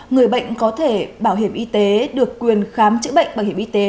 người bệnh có thể bảo hiểm y tế được quyền khám chữa bệnh bảo hiểm y tế